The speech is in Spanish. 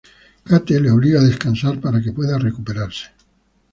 Kate le obliga a descansar para que pueda recuperarse.